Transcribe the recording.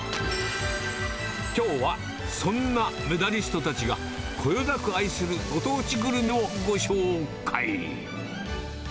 きょうはそんなメダリストたちが、こよなく愛するご当地グルメをご紹介。